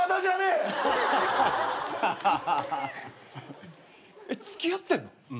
えっ付き合ってんの？